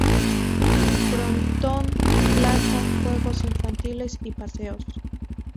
Frontón, plaza, juegos infantiles y paseos.